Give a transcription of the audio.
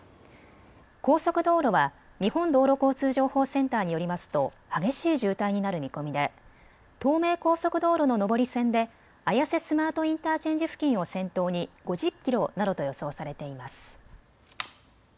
高速道路は日本道路交通情報センターによりますと激しい渋滞になる見込みで東名高速道路の上り線で綾瀬スマートインターチェンジ付近を先頭に５０キロなどと予想されています。